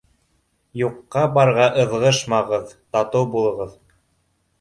Юҡҡа-барға ыҙғышмағыҙ, татыу булығыҙ!